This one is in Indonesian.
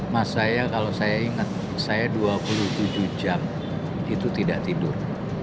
mas saya kalau saya ingat saya dua puluh tujuh jam itu tidak tidur